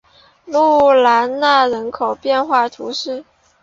穆兰纳人口变化图示